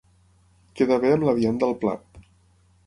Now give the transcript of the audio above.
Quedar bé amb la vianda al plat.